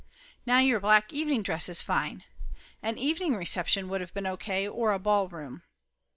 Now your black evening dress is fine! A evening reception would of been O. K. or a ball room."